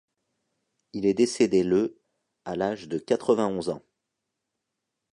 Il est décédé le à l'âge de quatre-vingt-onze ans.